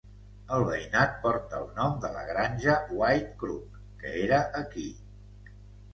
El veïnat porta el nom de la granja Whitecrook, que era aquí.